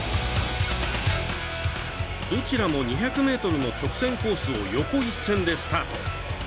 どちらも２００ｍの直線コースを横一線でスタート。